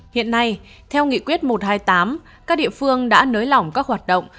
hiện nay theo nghị quyết một trăm hai mươi tám các địa phương đã nới lỏng các hoạt động